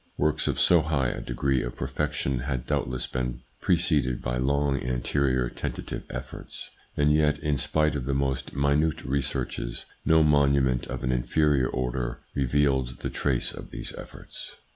Works of so high a degree of perfection had doubtless been preceded by long anterior tentative efforts ; and yet, in spite of the most minute researches, no monument of an inferior order revealed the trace of these efforts.